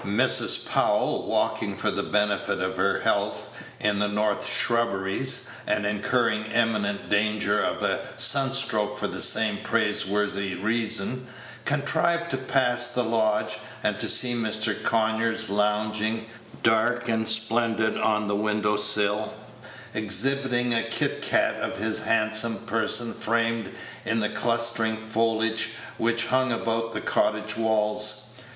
Mrs. Powell, walking for the benefit of her health, in the north shrubberies, and incurring imminent danger of a sun stroke for the same praiseworthy reason, contrived to pass the lodge, and to see Mr. Conyers lounging, dark and splendid, on the window sill, exhibiting a kitcat of his handsome person framed in the clustering foliage which hung about the cottage walls.